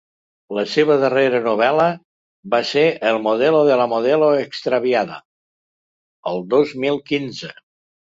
La seva darrera novel·la va ser ‘El modelo de la modelo extraviada’ el dos mil quinze.